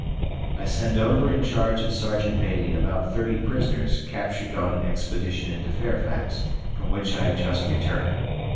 I send over in charge of Sergeant Beattie about 30 prisoners captured on an expedition into Fairfax, from which I have just returned.